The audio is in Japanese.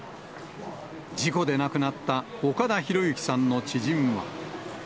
事故で亡くなった岡田博行さんの知人は。